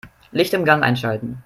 Licht im Gang einschalten.